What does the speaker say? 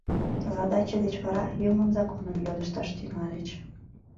Задаче деч вара «юмын законым» йодышташ тӱҥальыч.